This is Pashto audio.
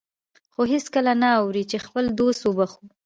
خو هېڅکله نه اورو چې خپل دوست وبخښو.